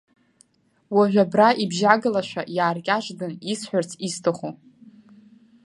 Уажә абра ибжьагалашәа, иааркьаҿӡан исҳәарц исҭаху.